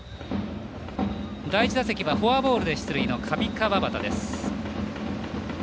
第１打席はフォアボールで出塁の上川畑です。